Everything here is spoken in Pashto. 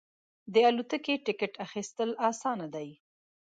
د الوتکې ټکټ اخیستل اسانه دی.